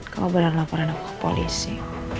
kamu benar laporan aku ke polisi